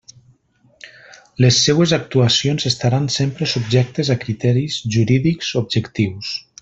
Les seues actuacions estaran sempre subjectes a criteris jurídics objectius.